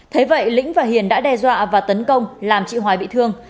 thế vậy lĩnh và hiền đã đe dọa và tấn công làm chị hoài bị thương